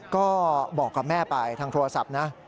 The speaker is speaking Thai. ก็บอกกับแม่ไปทางโทรศัพท์นะ